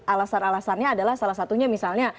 alasan alasannya adalah salah satunya misalnya